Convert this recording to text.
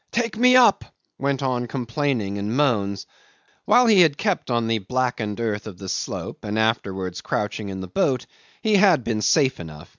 take me up!" went on complaining in moans. While he had kept on the blackened earth of the slope, and afterwards crouching in the boat, he had been safe enough.